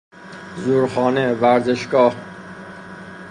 زورخانه ورزشگاه